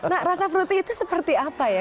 nah rasa fruti itu seperti apa ya